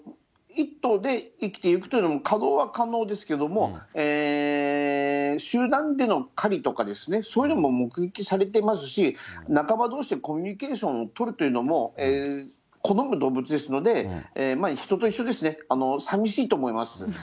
１頭で生きてゆくというのも可能は可能ですけれども、集団での狩りとか、そういうのも目撃されてますし、仲間どうしでコミュニケーションを取るというのも好む動物ですので、人と一緒ですね、さみしいと思います。